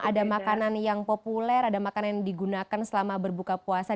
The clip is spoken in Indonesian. ada makanan yang populer ada makanan yang digunakan selama berbuka puasa